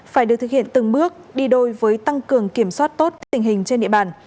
phải được thực hiện từng bước đi đôi với tăng cường kiểm soát tốt tình hình trên địa bàn